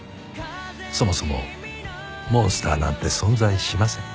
そもそもモンスターなんて存在しません。